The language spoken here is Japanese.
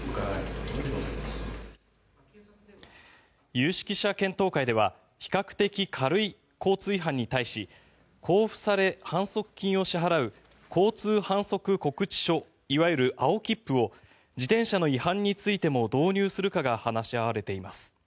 有識者検討会では比較的軽い交通違反に対し交付され、反則金を支払う交通反則告知書いわゆる青切符を自転車の違反についても導入するかが話し合われています。